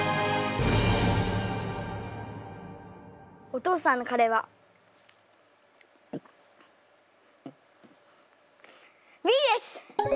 お父さんのカレーはＢです！